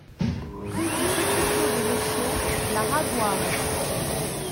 Rue du Petit Clos de l'Échaud, La Ravoire